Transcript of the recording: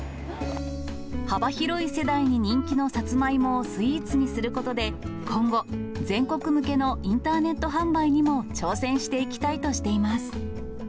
幅広い世代に人気のサツマイモをスイーツにすることで、今後、全国向けのインターネット販売にも挑戦していきたいとしています。